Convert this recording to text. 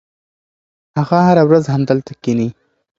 هغه هره ورځ همدلته کښېني.